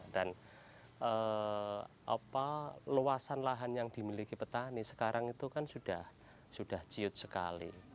dan lewasan lahan yang dimiliki petani sekarang itu kan sudah ciot sekali